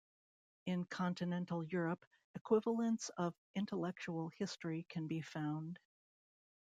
In continental Europe, equivalents of intellectual history can be found.